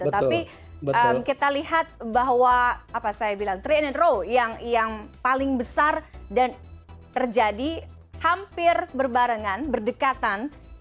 tapi kita lihat bahwa apa saya bilang tiga row yang paling besar dan terjadi hampir berbarengan berdekatan